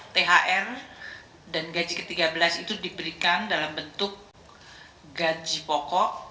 thr dan gaji ke tiga belas itu diberikan dalam bentuk gaji pokok